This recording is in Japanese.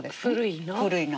古いの？